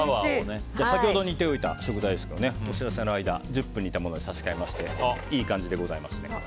先ほど煮ておいた食材お知らせの間に１０分煮たものに差し替えましていい感じでございます。